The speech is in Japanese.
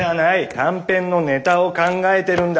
短編のネタを考えてるんだ。